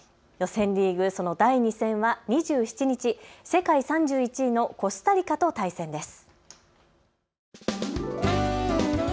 予選リーグ、その第２戦は２７日、世界３１位のコスタリカと対戦です。